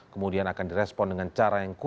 kemudian akan direspon dengan cara yang kuat